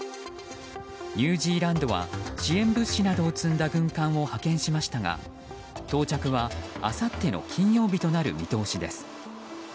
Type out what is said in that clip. ニュージーランドは支援物資などを積んだ軍艦を派遣しましたが到着は、あさっての金曜日となる見通しです。